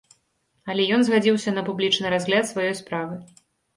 Але ён згадзіўся на публічны разгляд сваёй справы.